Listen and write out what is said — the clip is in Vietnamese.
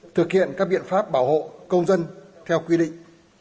thực hiện các biện pháp bảo hộ công dân theo quy định